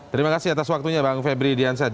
terima kasih atas waktunya bang febri diansyah